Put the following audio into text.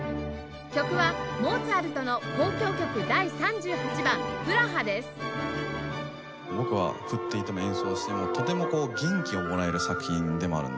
曲は僕は振っていても演奏してもとても元気をもらえる作品でもあるんですよね。